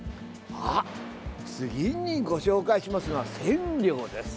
次にご紹介しますのは千両です。